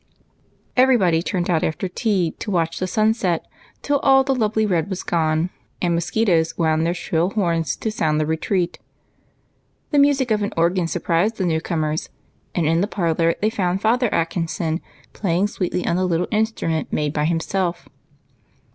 Everybody turned out after tea to watch the sun set till all the lovely red was gone, and mosquitoes wound their shrill horns to sound the retreat. The music of an organ surprised the new comers, and in the parlor they found Father Atkinson playing sweetly on the little instrument made by himself.